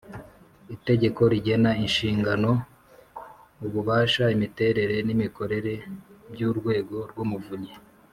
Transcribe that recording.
itegeko rigena inshingano, ububasha, imiterere n’imikorere by'urwego rw'umuvunyi.